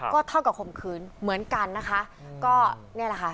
ก็เท่ากับข่มขืนเหมือนกันนะคะก็เนี่ยแหละค่ะ